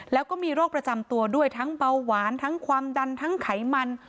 แล้วก็มีโรคประจำตัวด้วยทั้งเบาหวานทั้งความดันทั้งไขมัน